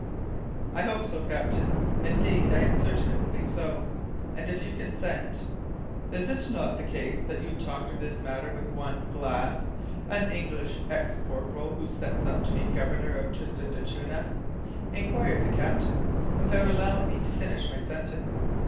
"I hope so, captain. Indeed, I am certain it will be so, and if you consent " "Is it not the case that you talked of this matter with one Glass, an English ex corporal, who sets up to be Governor of Tristan d'Acunha?" inquired the captain, without allowing me to finish my sentence.